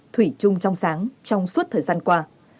thủy chung trong sáng trong suốt thời gian qua